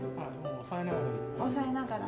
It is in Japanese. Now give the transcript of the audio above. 押さえながら。